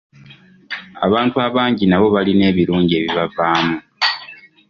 Abantu abangi nabo balina ebirungi ebibavaamu.